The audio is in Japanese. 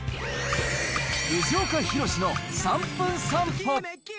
藤岡弘、の３分散歩。